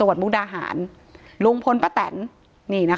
ถ้าใครอยากรู้ว่าลุงพลมีโปรแกรมทำอะไรที่ไหนยังไง